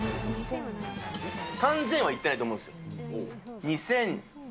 ３０００はいってないと思うんですよ。